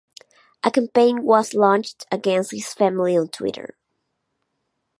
A campaign was launched against his family on Twitter.